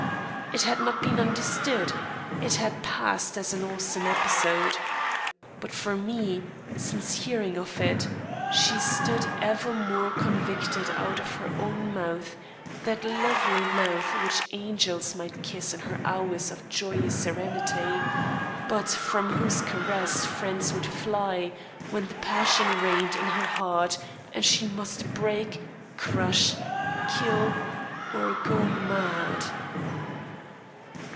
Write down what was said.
It had not been understood; it had passed as an awesome episode. But for me, since hearing of it, she stood evermore convicted out of her own mouth that lovely mouth which angels might kiss in her hours of joyous serenity; but from whose caress friends would fly, when the passion reigned in her heart and she must break, crush, kill, or go mad.